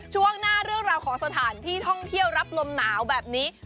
ช่วงหน้าเรื่องราวของสถานที่ท่องเที่ยวรับลมหนาวแบบนี้